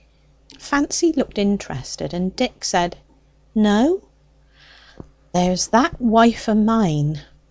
Fancy looked interested, and Dick said, "No?" "There's that wife o' mine.